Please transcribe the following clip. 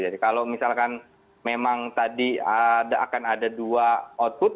jadi kalau misalkan memang tadi ada akan ada dua output